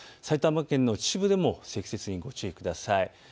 埼玉県の秩父でも積雪にご注意ください。